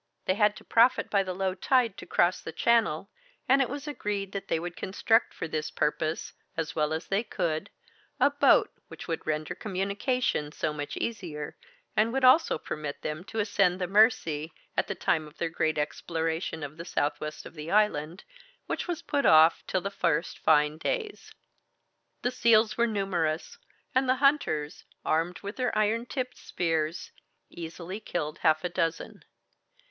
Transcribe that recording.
They had to profit by the low tide to cross the Channel, and it was agreed that they would construct, for this purpose, as well as they could, a boat which would render communication so much easier, and would also permit them to ascend the Mercy, at the time of their grand exploration of the southwest of the island, which was put off till the first fine days. The seals were numerous, and the hunters, armed with their iron tipped spears, easily killed half a dozen.